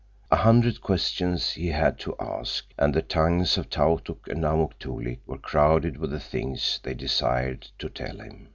A hundred questions he had to ask, and the tongues of Tautuk and Amuk Toolik were crowded with the things they desired to tell him.